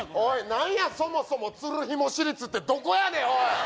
何やそもそも鶴紐市立ってどこやねんおい